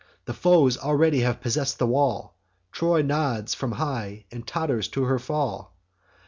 The foes already have possess'd the wall; Troy nods from high, and totters to her fall.